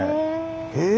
え！